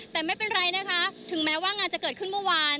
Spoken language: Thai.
แต่ไม่เป็นไรนะคะถึงแม้ว่างานจะเกิดขึ้นเมื่อวาน